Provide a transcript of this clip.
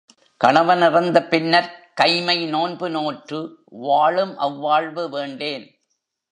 கணவன் இறந்த பின்னர்க் கைம்மை நோன்பு நோற்று வாழும் அவ்வாழ்வு வேண்டேன்.